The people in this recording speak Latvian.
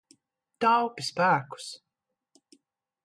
Taupi spēkus.